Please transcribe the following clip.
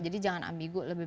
jadi jangan ambigu